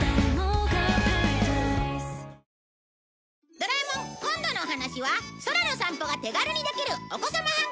『ドラえもん』今度のお話は空の散歩が手軽にできるお子さまハンググライダー